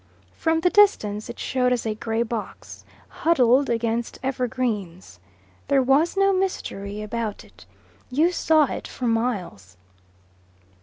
From the distance it showed as a grey box, huddled against evergreens. There was no mystery about it. You saw it for miles.